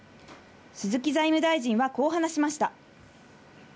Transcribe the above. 鈴木財務大臣はこう話しました。